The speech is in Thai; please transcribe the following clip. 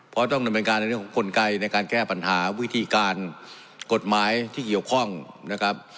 เพราะต้องดำเนินการในเรื่องของกลไกในการแก้ปัญหาวิธีการกฎหมายที่เกี่ยวข้องนะครับ